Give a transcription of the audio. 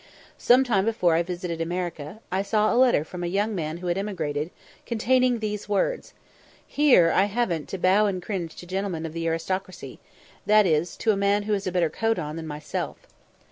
Some time before I visited America, I saw a letter from a young man who had emigrated, containing these words: "Here I haven't to bow and cringe to gentlemen of the aristocracy that is, to a man who has a better coat on than myself."